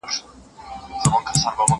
ټول بنديان يې كړل بې پته